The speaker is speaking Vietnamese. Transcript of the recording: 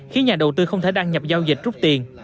khiến nhà đầu tư không thể đăng nhập giao dịch rút tiền